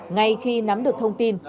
ngay khi nắm được thông tin